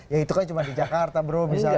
ya itu kan cuma di jakarta bro misalnya